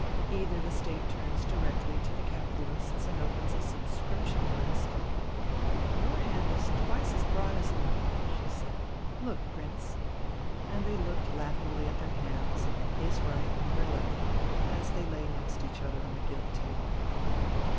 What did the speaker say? Either the State turns directly to the capitalists and opens a subscription list ... Your hand is twice as broad as mine," she said; "look, Prince." And they looked laughingly at their hands, his right and her left, as they lay next each other on the gilt table.